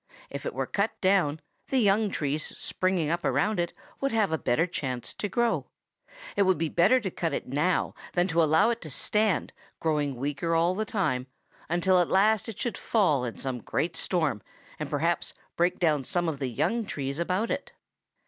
If it were cut down, the young trees springing up around it would have a better chance to grow. It would be better to cut it now than to allow it to stand, growing weaker all the time, until at last it should fall in some great storm and perhaps break down some of the young trees about it.